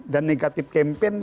dan negatif campaign